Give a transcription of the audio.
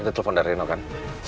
itu telepon dari no kan